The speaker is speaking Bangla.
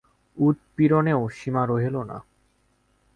উৎপীড়নেরও সীমা রহিল না।